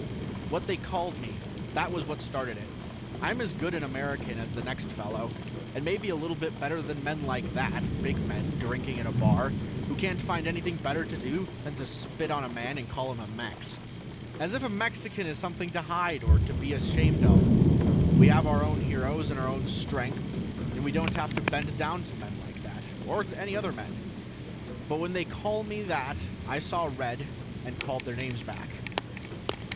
What they called me, that was what started it. I'm as good an American as the next fellow, and maybe a little bit better than men like that, big men drinking in a bar who can't find anything better to do than to spit on a man and call him Mex. As if a Mexican is something to hide or to be ashamed of. We have our own heroes and our own strength and we don't have to bend down to men like that, or any other men. But when they called me that I saw red and called them names back.